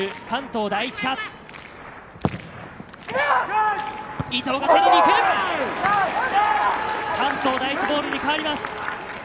関東第一ボールに変わります。